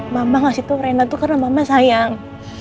mama ngasih tau rena tuh karena mama sayang